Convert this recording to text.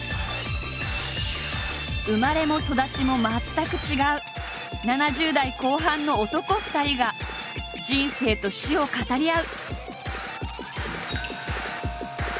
生まれも育ちも全く違う７０代後半の男２人が人生と死を語り合う。